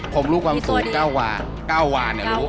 ผมลูบวางสูตร๙วา